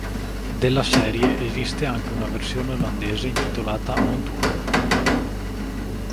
Della serie esiste anche una versione olandese intitolata "On Tour".